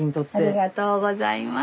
ありがとうございます。